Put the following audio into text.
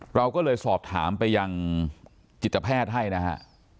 เราก็เลยสอบถามไปยังจิตแพทย์ให้นะฮะ